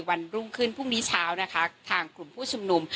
วันรุ่งขึ้นพรุ่งนี้เช้านะคะทางกลุ่มผู้ชุมนุม